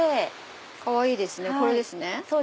かわいいですねこれですね。